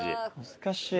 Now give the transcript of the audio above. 難しい。